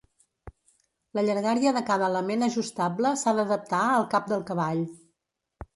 La llargària de cada element ajustable s'ha d'adaptar al cap del cavall.